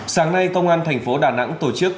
sáng nay công an thành phố đà nẵng tổ chức